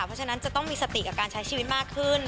เพราะฉะนั้นจะต้องมีสติกับการใช้ชีวิตมากขึ้น